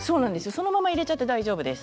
そのまま入れて大丈夫です。